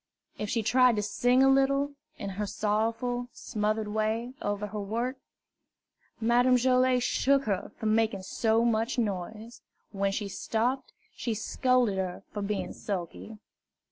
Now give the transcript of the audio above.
If she tried to sing a little, in her sorrowful, smothered way, over her work, Madame Joilet shook her for making so much noise. When she stopped, she scolded her for being sulky.